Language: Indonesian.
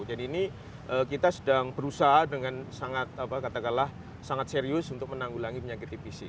jadi ini kita sedang berusaha dengan sangat serius untuk menanggulangi penyakit tbc